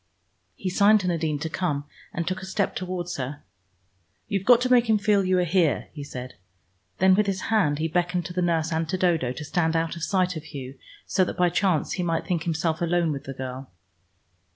He signed to Nadine to come, and took a step towards her. "You've got to make him feel you are here," he said. Then with his hand he beckoned to the nurse and to Dodo, to stand out of sight of Hugh, so that by chance he might think himself alone with the girl.